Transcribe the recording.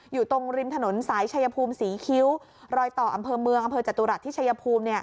อยู่ตรงริมถนนสายชายภูมิศรีคิ้วรอยต่ออำเภอเมืองอำเภอจตุรัสที่ชายภูมิ